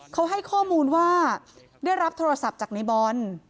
เขาให้ข้อมูลว่าได้รับโทรศัพท์จากในบอล